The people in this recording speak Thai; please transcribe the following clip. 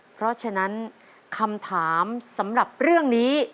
เพราะฉะนั้นคำถามสำหรับเรื่องนี้